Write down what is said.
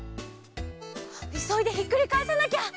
いそいでひっくりかえさなきゃ！